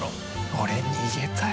俺逃げたい。